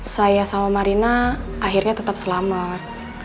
saya sama marina akhirnya tetap selamat